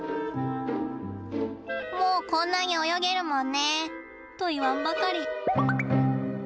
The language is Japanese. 「もうこんなに泳げるもんね」と言わんばかり。